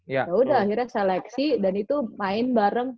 ya udah akhirnya seleksi dan itu main bareng